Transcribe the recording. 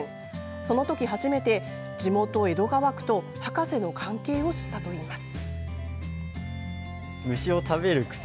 その時、初めて地元・江戸川区と博士の関係を知ったといいます。